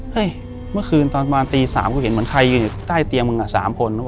เฮ้ยเมื่อคืนตอนบ้านตีสามก็เห็นเหมือนใครอยู่ในใต้เตียงมึงอ่ะสามคน